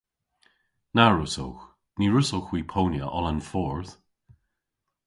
Na wrussowgh. Ny wrussowgh hwi ponya oll an fordh.